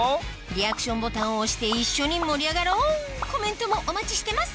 リアクションボタンを押して一緒に盛り上がろうコメントもお待ちしてます